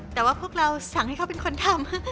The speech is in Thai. แต่ว่าพวกเราสั่งให้เขาเป็นคนทำ